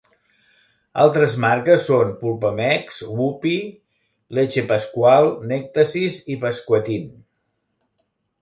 Altres marques són PulpaMex, Woopy, Leche Pascual, Nectasis i Pascuatin.